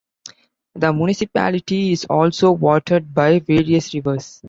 The municipality is also watered by various rivers.